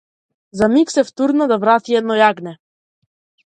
За миг се втурна да врати едно јагне.